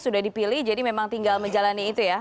sudah dipilih jadi memang tinggal menjalani itu ya